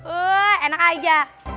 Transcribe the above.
ehh enak aja